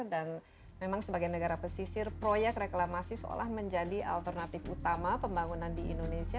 dan memang sebagai negara pesisir proyek reklamasi seolah menjadi alternatif utama pembangunan di indonesia